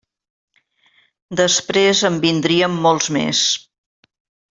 Després en vindrien molts més.